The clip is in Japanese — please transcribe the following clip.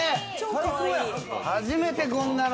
初めて、こんなの。